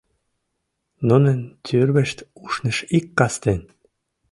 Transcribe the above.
Нунын тӱрвышт ушныш ик кастен.